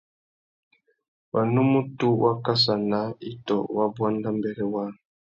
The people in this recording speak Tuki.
Wanúmútú wá kassa naā itô wa buanda mbêrê waā.